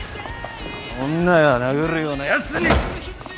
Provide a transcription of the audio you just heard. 女を殴るようなやつに！